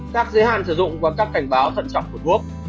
các giới hạn sử dụng qua các cảnh báo thận trọng của thuốc